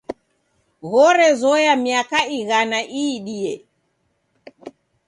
Ghorezoya miaka ighana iidie.